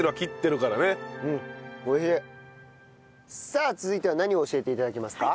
さあ続いては何を教えて頂けますか？